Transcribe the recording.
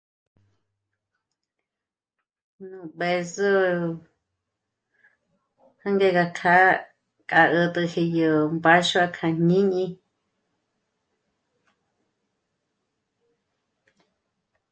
Nú bë̌zo jânge gá kjâ'a k'a 'ä̀t'äji yó mbáxua kja jñíni